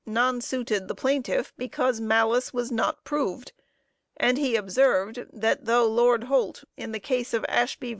nonsuited the plaintiff because malice was not proved; and he observed, that though Lord Holt, in the case of _Ashby v.